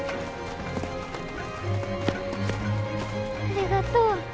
ありがとう。